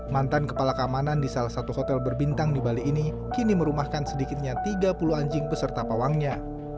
mantan kepala keamanan di salah satu hotel berbintang di bali ini kini merumahkan sedikitnya tiga puluh anjing beserta pawangnya